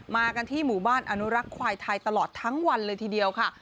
มากันที่หมู่บ้านอนุรักษ์ควายไทยตลอดทั้งวันเลยทีเดียวค่ะ